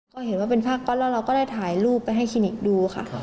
ก็เห็นว่าเป็นผ้าก๊อตแล้วเราก็ได้ถ่ายรูปไปให้คลินิกดูค่ะ